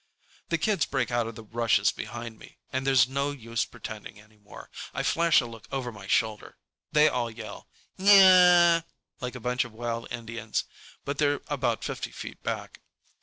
The kids break out of the rushes behind me, and there's no use pretending anymore. I flash a look over my shoulder. They all yell, "Ya n h h h!" like a bunch of wild Indians, but they're about fifty feet back.